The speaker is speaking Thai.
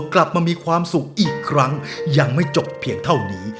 กลับมามีความสุขอีกครั้งยังไม่จบเพียงเท่านี้